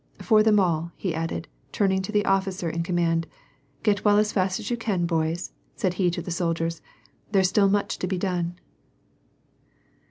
" For them all," he added, turning to the officer in com mand. " Get well as fast as you can, boys," said he to the sol diers, ^' there's still much to be done."